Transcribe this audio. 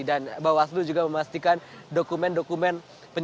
dan bawaslu juga memastikan dokumen dokumen